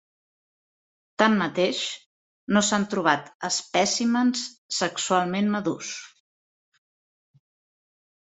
Tanmateix, no s'han trobat espècimens sexualment madurs.